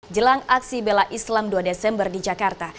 jelang aksi bela islam dua desember di jakarta